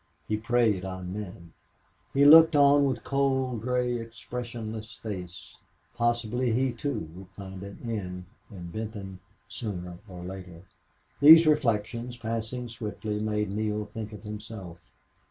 He preyed on men. He looked on with cold, gray, expressionless face. Possibly he, too, would find an end in Benton sooner or later. These reflections, passing swiftly, made Neale think of himself.